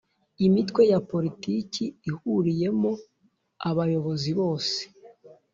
Imitwe ya Politiki ihuriyemo abayobozi bose